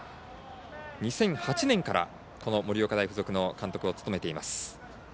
２００８年から盛岡大付属の監督を務めています。